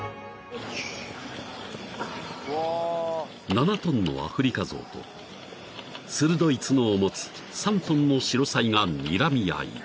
［７ｔのアフリカゾウと鋭い角を持つ３ｔのシロサイがにらみ合い］